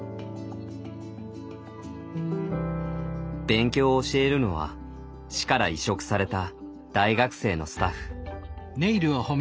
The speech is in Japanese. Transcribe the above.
勉強を教えるのは市から委嘱された大学生のスタッフ。